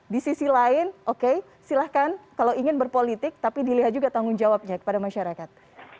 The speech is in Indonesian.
di sisi lain oke silahkan kalau ingin berpolitik tapi dilihat juga tanggung jawabnya kepada masyarakat